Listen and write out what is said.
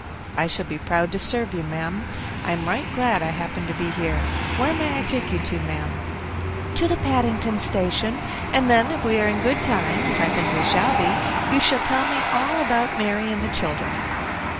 "I shall be proud to serve you, ma'am; I am right glad I happened to be here. Where may I take you to, ma'am?" "To the Paddington Station, and then if we are in good time, as I think we shall be, you shall tell me all about Mary and the children."